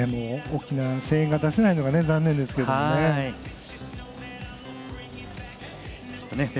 大きな声援が出せないのが残念ですけどね。